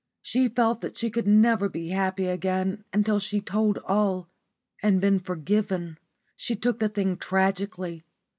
She felt that she could never be happy again until she had told all and been forgiven. She took the thing tragically.